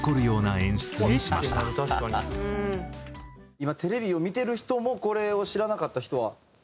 今テレビを見てる人もこれを知らなかった人は。